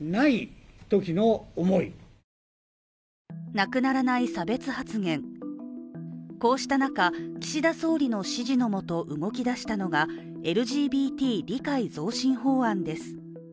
なくならない差別発言、こうした中、岸田総理の指示のもと動き出したのが、ＬＧＢＴ理解増進法案です。